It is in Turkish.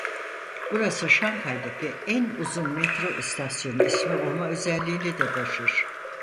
Burası Şanghay'daki en uzun metro istasyonu ismi olma özelliğini de taşır.